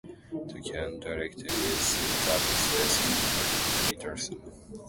The current director is Elizabeth "Betsy" Peterson.